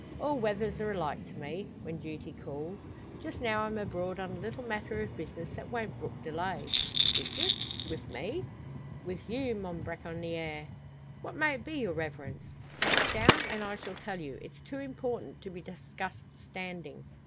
"All weathers are alike to me when duty calls. Just now I'm abroad on a little matter of business that won't brook delay." "Business wi' me?" "With you, mon bracconier!" "What may it be, your Reverence?" "Sit down, and I shall tell you. It's too important to be discussed standing."